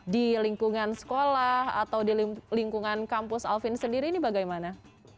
di lingkungan sekolah atau di lingkungan kampus alvin sendiri ini bagaimana